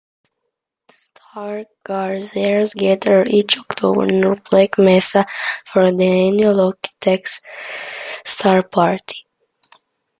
Stargarzers gather each October near Black Mesa for the annual Okie-Tex Star Party.